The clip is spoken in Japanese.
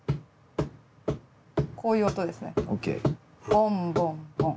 ボンボンボン。